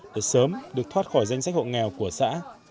để sớm được thoát khỏi danh sách hộ nghèo của xã